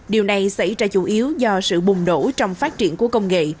điều này xảy ra chủ yếu do sự bùng nổ trong phát triển của công nghệ